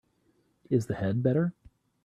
Is the head better?